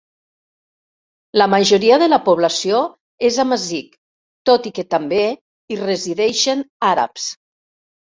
La majoria de la població és amazic, tot i que també hi resideixen àrabs.